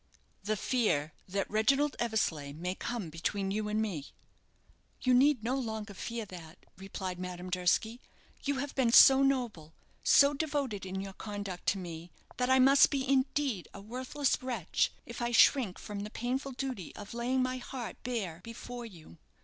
"The fear that Reginald Eversleigh may come between you and me." "You need no longer fear that," replied Madame Durski. "You have been so noble, so devoted in your conduct to me, that I must be indeed a worthless wretch if I shrink from the painful duty of laying my heart bare before you.